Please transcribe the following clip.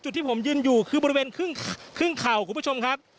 ที่ผมยืนอยู่คือบริเวณครึ่งเข่าคุณผู้ชมครับ